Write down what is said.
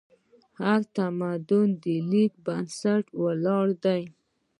هر تمدن د لیک په بنسټ ولاړ دی.